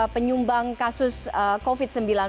penyumbang kasus covid sembilan belas